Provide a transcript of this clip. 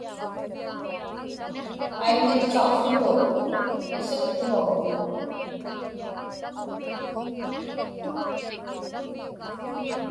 Aimmipkaqługu isiqtuaguk